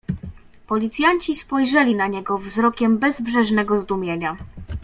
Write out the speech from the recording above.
"Policjanci spojrzeli na niego wzrokiem bezbrzeżnego zdumienia."